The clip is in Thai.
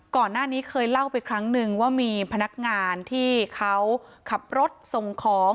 ก่อนหน้านี้เคยเล่าไปครั้งนึงว่ามีพนักงานที่เขาขับรถส่งของ